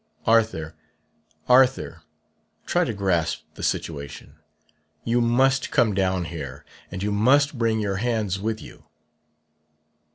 Arthur, Arthur, try to grasp the situation! You must come down here, and you must bring your hands with you.